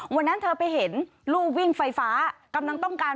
วันนั้นเธอไปเห็นลูกวิ่งไฟฟ้ากำลังต้องการ